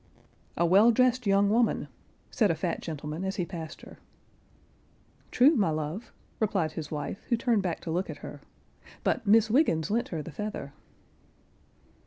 "A well dressed young woman," said a fat gentleman, as he passed her. "True, my love," replied his wife, who turned back to look at her; "but Miss Wiggens lent her the feather."